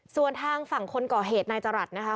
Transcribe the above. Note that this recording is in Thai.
ส่วนถ้างฝั่งคนก่อเหตุในจรรย์นะครับ